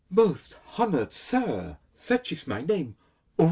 Most honored Sir, such is my name — Oremua!